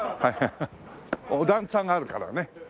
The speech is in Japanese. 段差があるからね。